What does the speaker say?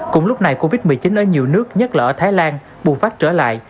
cũng lúc này covid một mươi chín ở nhiều nước nhất là ở thái lan bù phát trở lại